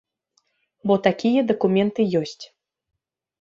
Бо такія дакументы ёсць.